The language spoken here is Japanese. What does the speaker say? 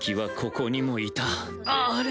あれ？